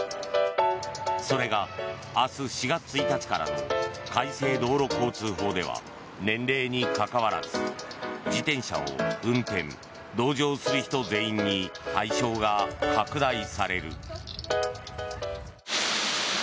それが明日４月１日からの改正道路交通法では年齢にかかわらず自転車を運転・同乗する人全員に対象が拡大される。